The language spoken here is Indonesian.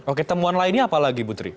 oke temuan lainnya apa lagi putri